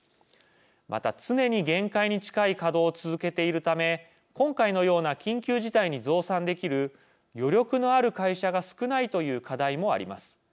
また、常に限界に近い稼働を続けているため今回のような緊急事態に増産できる余力のある会社が少ないという課題もあります。